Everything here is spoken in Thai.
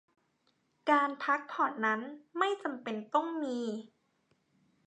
การพักผ่อนนั้นไม่จำเป็นต้องมี